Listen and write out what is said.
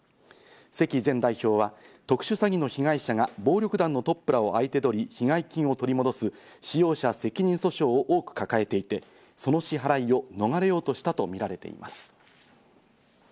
関前代表は特殊詐欺の被害者が暴力団のトップらを相手取り、被害金を取り戻す使用者責任訴訟を多く抱えていて、その支払いを逃れようとしたとみられます。